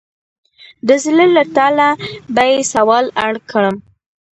د زړه له تله به یې سوال اړ کړم.